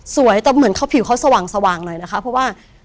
สวยแต่ผิวเขาสว่างนิดหน่อยนะคะ